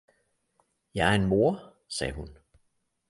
Jeg er en moder, sagde hun.